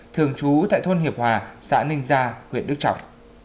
thường trú tại thôn hiệp hòa xã ninh gia huyện đức trọng